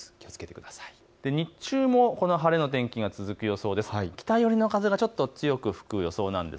日中もこの晴れの天気、続く予想です。